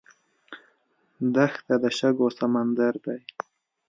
دښته د شګو سمندر دی.